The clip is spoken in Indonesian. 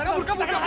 kabur kabur kabur